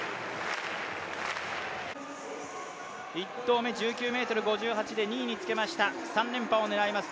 １投目、１９ｍ５８で２位につけました、３連覇を狙います